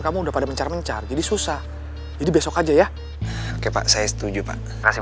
kamu udah pada mencar mencar jadi susah jadi besok aja ya oke pak saya setuju pak rasa